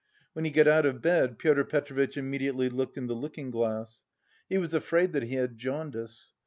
When he got out of bed, Pyotr Petrovitch immediately looked in the looking glass. He was afraid that he had jaundice.